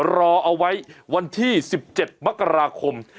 รอเอาไว้วันที่๑๗มกราคม